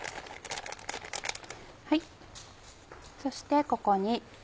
そしてここに。